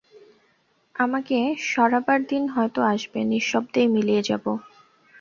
আমাকে সরাবার দিন হয়তো আসবে, নিঃশব্দেই মিলিয়ে যাব।